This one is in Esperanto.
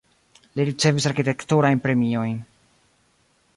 Li ricevis arkitekturajn premiojn.